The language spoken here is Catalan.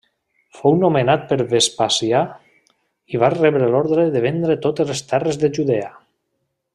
Fou nomenat per Vespasià i va rebre l'ordre de vendre totes les terres de Judea.